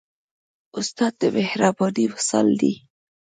استاد د مهربانۍ مثال دی.